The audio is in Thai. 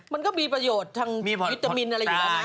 มันก็มีประโยชน์ทางวิตามินอะไรอยู่แล้วนะ